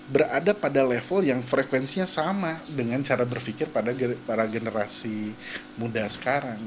berada pada level yang frekuensinya sama dengan cara berpikir pada para generasi muda sekarang